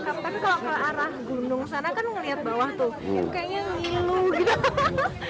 tapi kalau ke arah gunung sana kan ngelihat bawah tuh kayaknya milu gitu